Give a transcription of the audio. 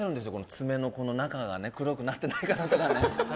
爪の中が黒くなってないかなとか。